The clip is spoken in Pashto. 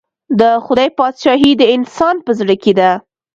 د خدای پاچهي د انسان په زړه کې ده.